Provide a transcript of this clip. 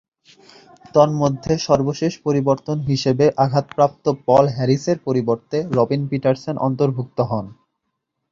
তন্মধ্যে সর্বশেষ পরিবর্তন হিসেবে আঘাতপ্রাপ্ত পল হ্যারিসের পরিবর্তে রবিন পিটারসন অন্তর্ভুক্ত হন।